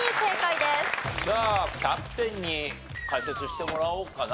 じゃあキャプテンに解説してもらおうかな。